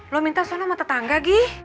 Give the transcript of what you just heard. lo minta sama tetangga gih